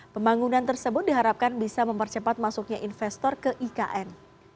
pembangunan tersebut diharapkan bisa mempercepat masuknya investor ke ikn